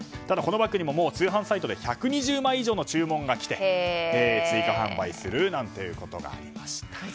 ただ、このバッグも通販サイトで１２０枚以上の注文が来て追加販売するということもありました。